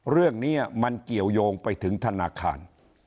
เรื่องนี้มันเกี่ยวยงไปถึงธนาคาร